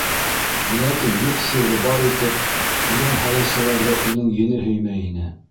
Ләкин юҡ сирҙе бар итеп һөрән һалыусыларҙы уның ене һөймәй ине.